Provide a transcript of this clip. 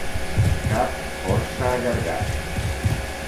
Cap força allargat.